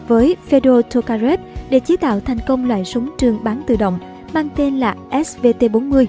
với fedor tokarev để chế tạo thành công loại súng trường bán tự động mang tên là svt bốn mươi